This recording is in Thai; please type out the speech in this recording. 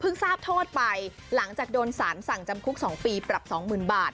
ทราบโทษไปหลังจากโดนสารสั่งจำคุก๒ปีปรับ๒๐๐๐บาท